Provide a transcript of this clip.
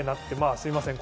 すみません。